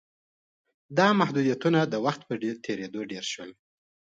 دا محدودیتونه د وخت په تېرېدو ډېر شول